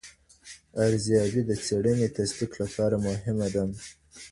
ارزیابي د څېړنې تصدیق لپاره مهمه ده.